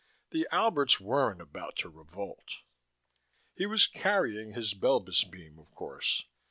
The Alberts weren't about to revolt. He was carrying his Belbis beam, of course.